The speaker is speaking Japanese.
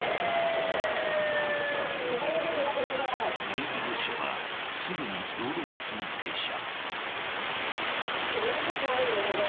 ［軽自動車はすぐに道路脇に停車］